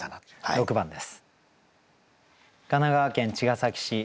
６番です。